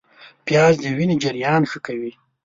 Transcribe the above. پیاز د وینې جریان ښه کوي